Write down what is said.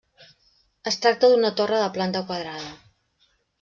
Es tracta d'una torre de planta quadrada.